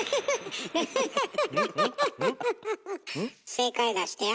正解出してや。